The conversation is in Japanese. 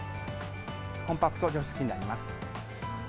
コンパクト除湿器になります。